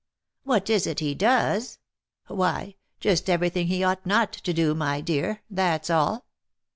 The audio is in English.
" What is it he does ? Why just every thing he ought not to do, my dear, that's all.